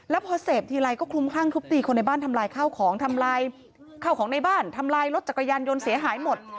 แล้วพอเสพทีไรก็คลุมคลั่งทุบตีคนในบ้านทำลายข้าวของทำลายข้าวของในบ้านทำลายรถจักรยานยนต์เสียหายหมด